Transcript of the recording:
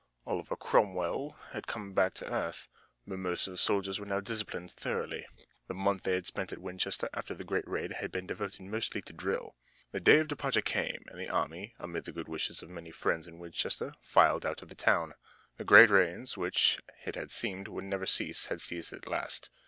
Oliver Cromwell had come back to earth. But most of the soldiers were now disciplined thoroughly. The month they had spent at Winchester after the great raid had been devoted mostly to drill. The day of departure came and the army, amid the good wishes of many friends in Winchester, filed out of the town. The great rains, which, it had seemed, would never cease, had ceased at last.